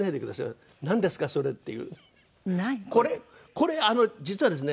これ実はですね